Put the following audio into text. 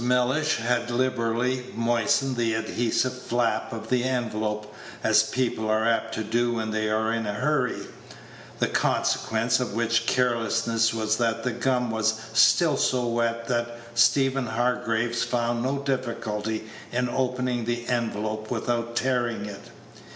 Mellish had liberally moistened the adhesive flap of the envelope, as people are apt to do when they are in a hurry; the consequence of which carelessness was that the gum was still so wet that Stephen Hargraves found no difficulty in opening the envelope without tearing it.